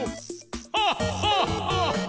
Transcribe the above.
ハッハッハッハ！